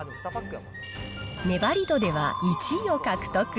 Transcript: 粘り度では１位を獲得。